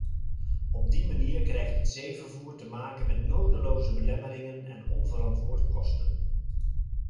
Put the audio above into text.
Op die manier krijgt het zeevervoer te maken met nodeloze belemmeringen en onverantwoorde kosten.